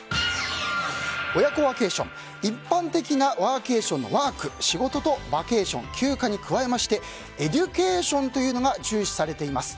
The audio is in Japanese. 一般的なワーケーションのワーク仕事とバケーション休暇に加えましてエデュケーションというのが注視されています。